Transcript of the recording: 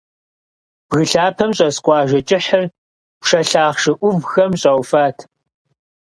Бгы лъапэм щӀэс къуажэ кӀыхьыр пшэ лъахъшэ Ӏувхэм щӀауфат.